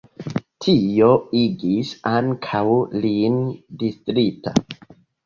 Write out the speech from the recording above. Tio igis ankaŭ lin distrita.